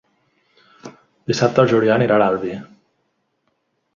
Dissabte en Julià anirà a l'Albi.